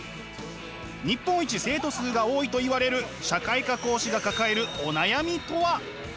日本一生徒数が多いといわれる社会科講師が抱えるお悩みとは？